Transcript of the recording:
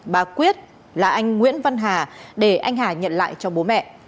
bà quyết là anh nguyễn văn hà để anh hà nhận lại cho bố mẹ